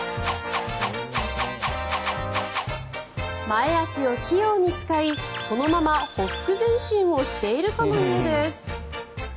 前足を器用に使いそのままほふく前進をしているかのようです。